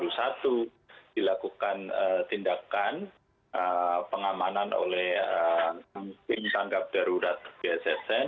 itu dilakukan tindakan pengamanan oleh tim tangkap darurat bssn